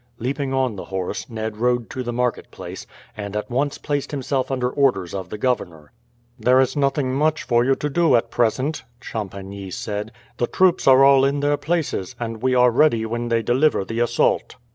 Leaping on the horse, Ned rode to the marketplace, and at once placed himself under orders of the governor. "There is nothing much for you to do at present," Champagny said. "The troops are all in their places, and we are ready when they deliver the assault."